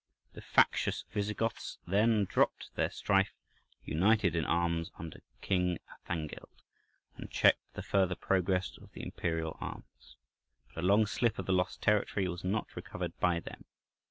The factious Visigoths then dropped their strife, united in arms under King Athangild, and checked the further progress of the imperial arms. But a long slip of the lost territory was not recovered by them.